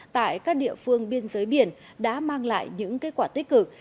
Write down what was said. tại các địa phương biên giới biển đã mang lại những kết quả tích cực